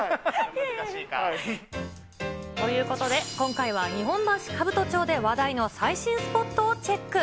難しいか。ということで、今回は日本橋兜町で話題の最新スポットをチェック。